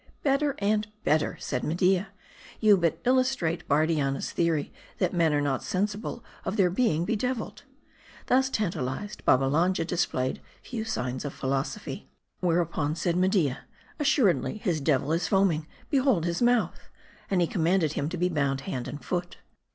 " Better and better," said Media, " you but illustrate Bardianna's theory ; that men are not sensible of their being bedeviled." Thus tantalized, Babbalanja displayed few signs of philo sophy. Whereupon, said Media, " Assuredly his devil is foaming ; behold his mouth !" And he commanded him to be bound hand and foot.